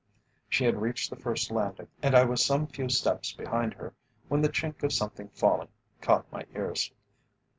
She had reached the first landing, and I was some few steps behind her, when the chink of something falling caught my ears.